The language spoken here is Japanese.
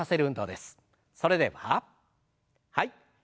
それでははい。